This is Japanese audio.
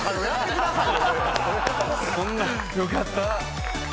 よかった。